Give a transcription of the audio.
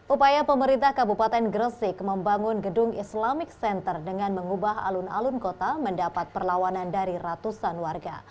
upaya pemerintah kabupaten gresik membangun gedung islamic center dengan mengubah alun alun kota mendapat perlawanan dari ratusan warga